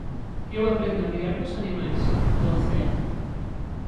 Eu aprendo a mirar dos animais, do océano.